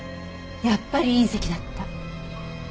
やっぱり隕石だった。